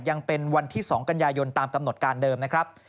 ยังเป็นวันที่๒กันยายนตามกำหนดการเดิมนะครับ